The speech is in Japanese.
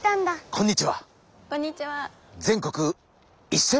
こんにちは。